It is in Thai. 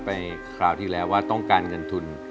คราวที่แล้วว่าต้องการเงินทุน